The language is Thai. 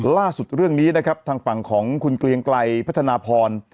ล่าสุดเรื่องนี้นะครับทางฝั่งของคุณเกลียงไกลพัฒนาพร